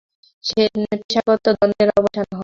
পেশাগত দ্বন্দ্বের অবসান হবে।